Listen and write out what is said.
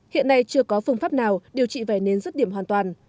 hiện nay chưa có phương pháp nào điều trị vẩy nến rứt điểm hoàn toàn